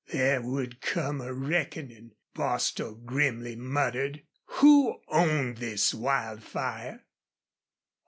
There would come a reckoning, Bostil grimly muttered. Who owned this Wildfire?